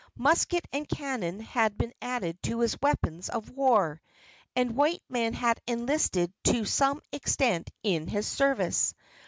Musket and cannon had been added to his weapons of war, and white men had enlisted to some extent in his service.